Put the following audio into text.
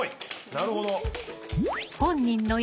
なるほど。